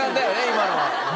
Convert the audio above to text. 今のは。